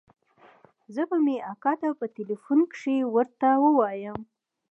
زه به مې اکا ته په ټېلفون کښې ورته ووايم.